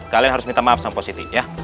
kalian harus minta maaf sama positif ya